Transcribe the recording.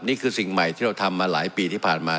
นี่คือสิ่งใหม่ที่เราทำมาหลายปีที่ผ่านมา